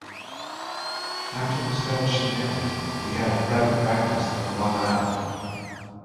After his fellowship ended, he had a private practice on Long Island.